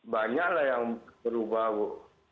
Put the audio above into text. banyaklah yang berubah bu